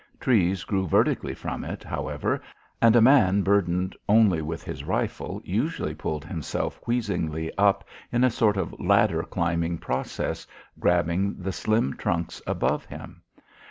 Trees grew vertically from it, however, and a man burdened only with his rifle usually pulled himself wheezingly up in a sort of ladder climbing process, grabbing the slim trunks above him.